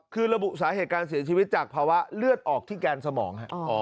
คือระบุสาเหตุการเสียชีวิตจากภาวะเลือดออกที่แกนสมอง